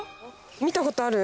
見たことある？